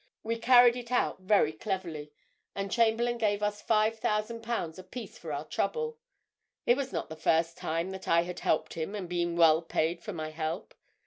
We carried it out very cleverly, and Chamberlayne gave us five thousand pounds apiece for our trouble. It was not the first time that I had helped him and been well paid for my help.